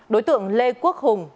đối tượng lê quốc hùng